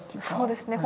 そうですね